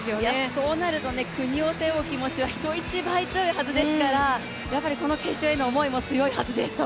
そうなると国を背負う気持ちは人一倍強いですからやはりこの決勝への思いも強いはずです。